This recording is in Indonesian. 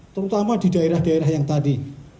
terutama di daerah daerah yang tadi